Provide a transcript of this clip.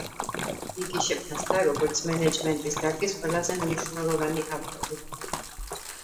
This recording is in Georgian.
იგი შეფასდა, როგორც მენეჯმენტის დარგის ყველაზე მნიშვნელოვანი ავტორი.